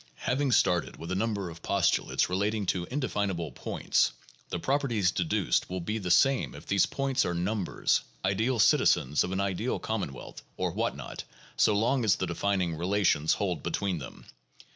Having started with a number of postulates relating to indefinable '' points, '' the properties deduced will be the same if these "points" are num bers, ideal citizens of an ideal commonwealth, or what not, so long as the defining relations hold between them.